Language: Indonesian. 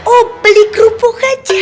oh beli kerupuk aja